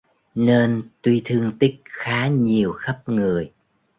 Nên tuy thương tích khá nhiều khắp người